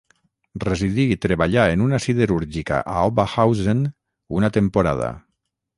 Residí i treballà en una siderúrgica a Oberhausen una temporada.